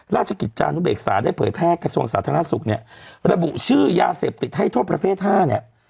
ราชกิจจานุเบกษาได้เผยแพร่กระทรวงสาธารณสุขเนี่ยระบุชื่อยาเสพติดให้โทษประเภท๕เนี่ย